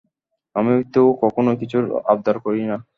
আমি তো কখনোই কিছুর আবদার করি না।